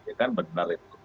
ya kan benar itu